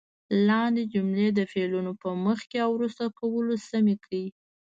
لاندې جملې د فعلونو په مخکې او وروسته کولو سمې کړئ.